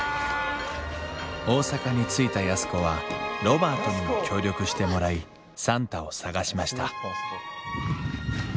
大阪に着いた安子はロバートにも協力してもらい算太を捜しました